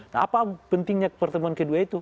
nah apa pentingnya pertemuan kedua itu